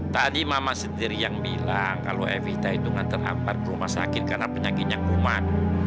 tadi mama sendiri yang bilang kalau evita itu nggak terampar ke rumah sakit karena penyakitnya kuman